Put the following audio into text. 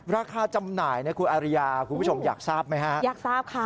จำหน่ายนะคุณอาริยาคุณผู้ชมอยากทราบไหมฮะอยากทราบค่ะ